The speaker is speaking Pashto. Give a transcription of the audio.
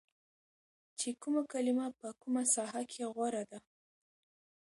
چې کومه کلمه په کومه ساحه کې غوره ده